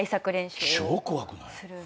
超怖くない？